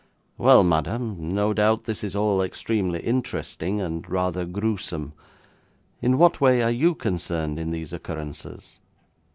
'Well, madam, no doubt this is all extremely interesting, and rather gruesome. In what way are you concerned in these occurrences?'